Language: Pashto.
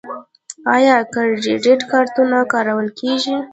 آیا کریډیټ کارتونه کارول کیږي؟